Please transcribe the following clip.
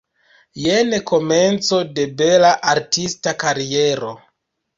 Jen komenco de bela artista kariero.